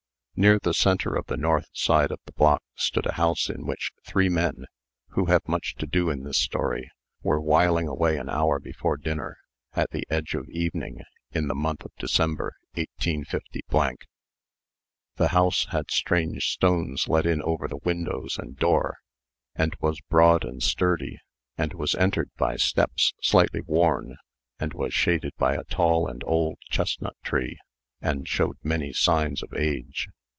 Near the centre of the north side of the block stood a house in which three men, who have much to do in this story, were whiling away an hour before dinner, at the edge of evening, in the month of December, 185 . The house had strange stones let in over the windows and door, and was broad and sturdy, and was entered by steps slightly worn, and was shaded by a tall and old chestnut tree, and showed many signs of age.